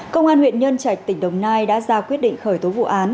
công an huyện nhân trạch tỉnh đồng nai đã ra quyết định khởi tố vụ án